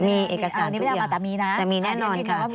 มีเอกสารทุกอย่างแต่มีแน่นอนค่ะ